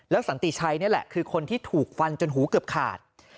สันติชัยนี่แหละคือคนที่ถูกฟันจนหูเกือบขาด